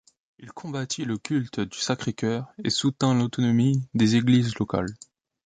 Il combattit le culte du Sacré-Cœur et soutint l'autonomie des églises locales.